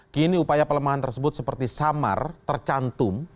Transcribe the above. kini upaya pelemahan tersebut seperti samar tercantum